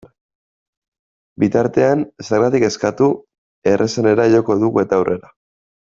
Bitartean, zergatik kezkatu, errazenera joko dugu eta aurrera!